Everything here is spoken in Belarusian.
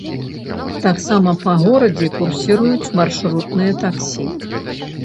Таксама па горадзе курсіруюць маршрутныя таксі.